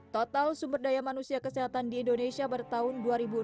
total sumber daya manusia kesehatan di indonesia bertahun dua ribu enam belas